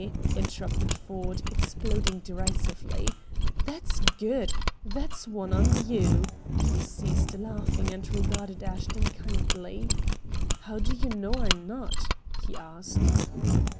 interrupted Ford, exploding derisively. "That's GOOD! That's one on YOU." He ceased laughing and regarded Ashton kindly. "How do you know I'm not?" he asked.